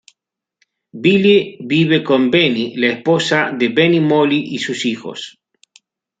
Billy vive con Benny, la esposa de Benny Molly, y sus hijos.